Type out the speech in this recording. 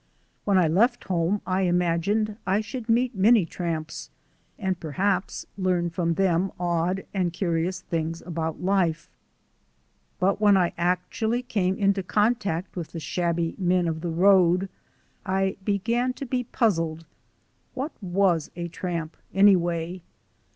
When I left home I imagined I should meet many tramps, and perhaps learn from them odd and curious things about life; but when I actually came into contact with the shabby men of the road, I began to be puzzled. What was a tramp, anyway?